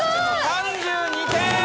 ３２点！